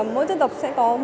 mỗi dân tộc sẽ có